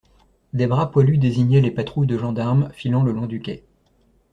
Des bras poilus désignaient les patrouilles de gendarmes, filant le long du quai.